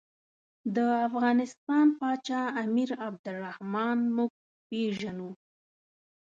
د افغانستان پاچا امیر عبدالرحمن موږ پېژنو.